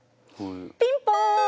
ピンポン！